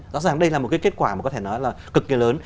rõ ràng đây là một cái kết quả mà có thể nói là cực kỳ lớn